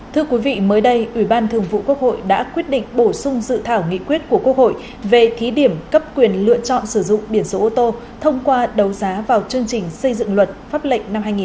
thưa quý vị mới đây ủy ban thường vụ quốc hội đã quyết định bổ sung dự thảo nghị quyết của quốc hội về thí điểm cấp quyền lựa chọn sử dụng biển số ô tô thông qua đấu giá vào chương trình xây dựng luật pháp lệnh năm hai nghìn hai mươi